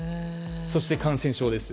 そして感染症です。